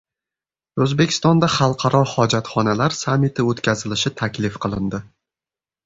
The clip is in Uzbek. O‘zbekistonda Xalqaro hojatxonalar sammiti o‘tkazilishi taklif qilindi